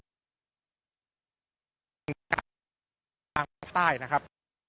เป็นการเที่ยวทางมาใต้นะครับ